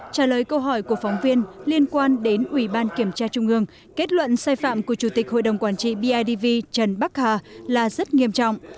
trả lời câu hỏi của phóng viên liên quan đến ủy ban kiểm tra trung ương kết luận sai phạm của chủ tịch hội đồng quản trị bidv trần bắc hà là rất nghiêm trọng